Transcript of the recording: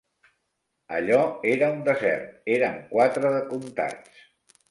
Allò era un desert: érem quatre de comptats.